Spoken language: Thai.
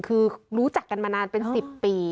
คือรู้จักกันมานานเป็น๑๐ปี